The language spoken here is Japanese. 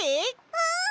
うん！